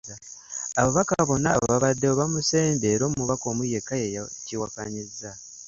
Ababaka bonna abaabaddewo baamusembye era omubaka omu yekka ye yakiwakanyizza.